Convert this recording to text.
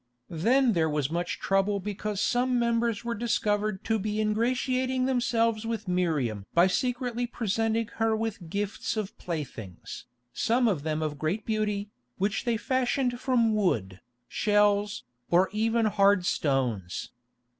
Then there was much trouble because some members were discovered to be ingratiating themselves with Miriam by secretly presenting her with gifts of playthings, some of them of great beauty, which they fashioned from wood, shells, or even hard stones.